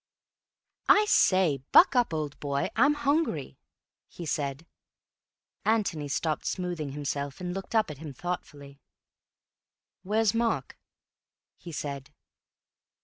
"I say, buck up, old boy, I'm hungry," he said. Antony stopped smoothing himself and looked up at him thoughtfully. "Where's Mark?" he said.